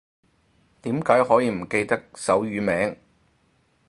點解可以唔記得手語名